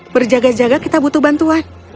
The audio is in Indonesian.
berjaga jaga kita butuh bantuan